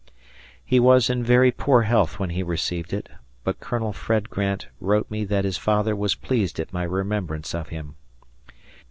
He was in very poor health when he received it, but Colonel Fred Grant wrote me that his father was pleased at my remembrance of him.